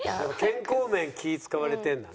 健康面気ぃ使われてるんだね。